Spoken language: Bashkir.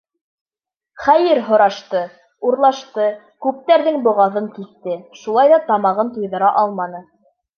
Хәйер һорашты, урлашты, күптәрҙең боғаҙын киҫте, шулай ҙа тамағын туйҙыра алманы!